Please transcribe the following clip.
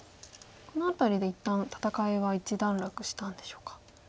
この辺りで一旦戦いは一段落したんでしょうか。